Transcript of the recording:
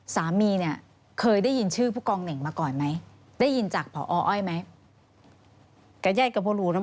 สามีเนี่ยเคยได้ยินชื่อผู้กองเหน่งมาก่อนไหมได้ยินจากพออ้อยไหม